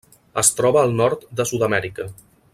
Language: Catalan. Es troba al nord de Sud-amèrica.